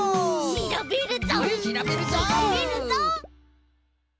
しらべるぞ！